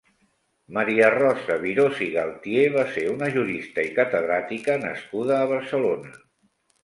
Maria Rosa Virós i Galtier va ser una jurista i catedràtica nascuda a Barcelona.